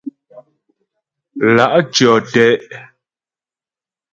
Lá' tyɔ́ te'.